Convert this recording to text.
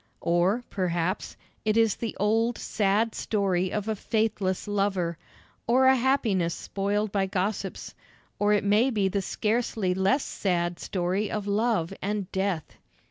Or, perhaps, it is the old, sad story of a faithless lover, or a happiness spoiled by gossips or it may be the scarcely less sad story of love and death.